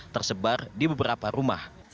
tersebar di beberapa rumah